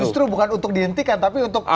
justru bukan untuk dihentikan tapi untuk